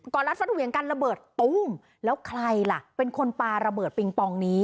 รัดฟัดเหวี่ยงกันระเบิดตู้มแล้วใครล่ะเป็นคนปลาระเบิดปิงปองนี้